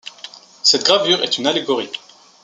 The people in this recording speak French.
Cette gravure est une allégorie.